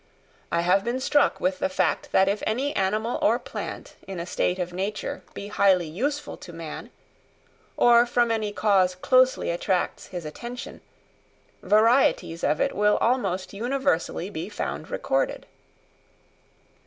I have been struck with the fact that if any animal or plant in a state of nature be highly useful to man, or from any cause closely attracts his attention, varieties of it will almost universally be found recorded.